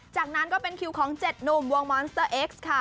จากนั้นก็เป็นคิวของ๗หนุ่มวงมอนสเตอร์เอ็กซ์ค่ะ